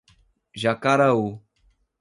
Jacaraú